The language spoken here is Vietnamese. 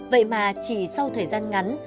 vậy mà chỉ sau thời gian ngắn